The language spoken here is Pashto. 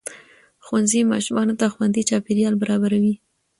ښوونځی ماشومانو ته خوندي چاپېریال برابروي